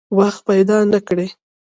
وخت پیدا نه کړي.